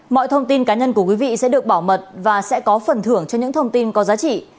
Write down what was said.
mọi thông tin cá nhân của quý vị sẽ được bảo mật và sẽ có phần thưởng cho những thông tin có giá trị